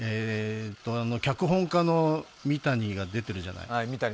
脚本家の三谷が出てるじゃない。